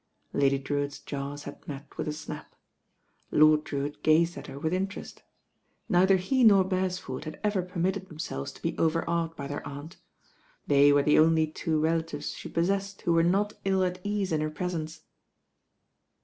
Lady Drewitt's jaws had met with a snap. Lord Drewitt gazed at her with interest. Neither he nor Beresford had ever permitted themselves to be overawed by their aunt. They were the only two relatives she possessed who were not ill at ease in her presence.